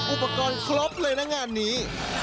อุปกรณ์ครบเลยนะงานนี้